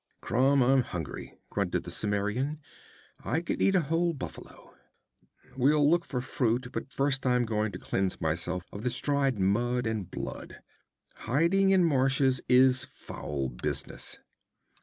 'Crom, I'm hungry!' grunted the Cimmerian. 'I could eat a whole buffalo. We'll look for fruit; but first I'm going to cleanse myself of this dried mud and blood. Hiding in marshes is foul business.'